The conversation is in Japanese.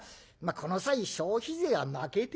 この際消費税はまけておこう。